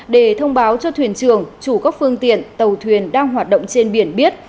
để thông báo cho thuyền trường chủ các phương tiện tàu thuyền đang hoạt động trên biển biết